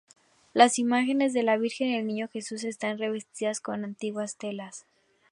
Las imágenes de la Virgen y el Niño Jesús están revestidas con antiguas telas.